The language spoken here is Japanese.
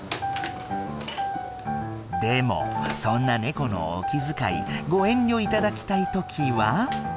でもそんなネコのお気遣いご遠慮頂きたい時は。